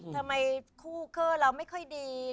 ทำไมคู่เกอร์เราไม่ค่อยดี